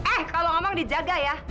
eh kalau ngomong dijaga ya